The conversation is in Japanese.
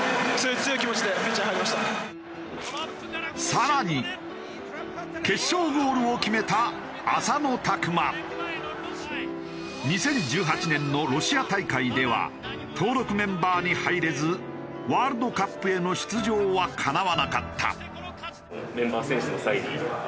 さらに決勝ゴールを決めた２０１８年のロシア大会では登録メンバーに入れずワールドカップへの出場はかなわなかった。